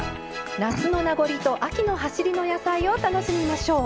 夏の名残と秋のはしりの野菜を楽しみましょう。